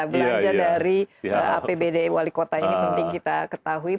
belanja dari apbd wali kota ini penting kita ketahui